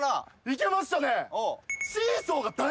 いけましたね！